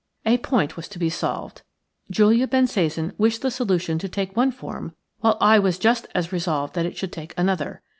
A point was to be solved. Julia Bensasan wished the solution to take one form, while I was just as resolved that it should take another.